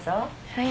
はい。